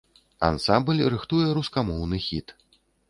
Ансамбль рыхтуе рускамоўны хіт.